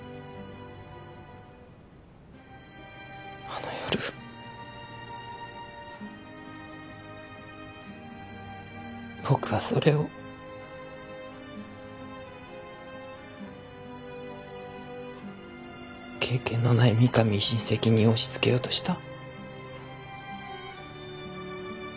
あの夜僕はそれを経験のない三上医師に責任を押しつけようとした。